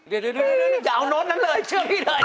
เดี๋ยวจะเอานโน้ตนะเลยเชื่อพี่เดิน